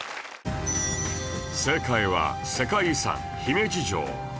正解は世界遺産姫路城